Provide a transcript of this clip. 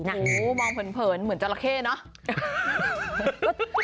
โอ้โหมองเผินเหมือนจราเข้เนอะ